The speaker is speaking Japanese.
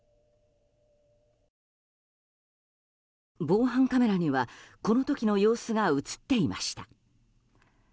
防犯カメラにはこの時の様子が映っていました。